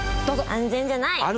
安全じゃない。